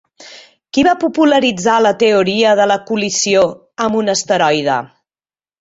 Qui va popularitzar la teoria de la col·lisió amb un asteroide?